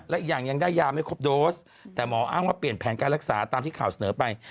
และอีกอย่างยังได้ยาไม่ครบโดสแต่หมออ้างว่าเปลี่ยนแผนการรักษาตามที่ข่าวเสนอไป